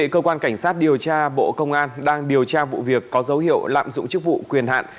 cơ quan cảnh sát điều tra bộ công an đang điều tra vụ việc có dấu hiệu lạm dụng chức vụ quyền hạn